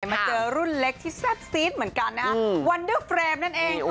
มาเจอรุ่นเล็กที่แซ่บซีดเหมือนกันนะฮะวันเดอร์เฟรมนั่นเอง